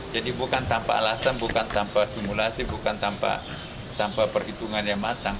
jadi bukan tanpa alasan bukan tanpa simulasi bukan tanpa perhitungan yang matang